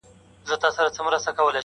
• له نیکانو سره ظلم دی جفا ده ,